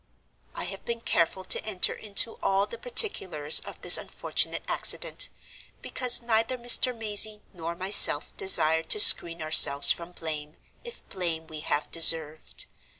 "I have been careful to enter into all the particulars of this unfortunate accident, because neither Mr. Mazey nor myself desire to screen ourselves from blame, if blame we have deserved.